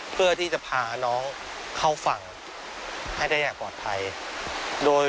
เพื่อที่จะพาน้องเข้าฝั่งให้ได้อย่างปลอดภัยโดย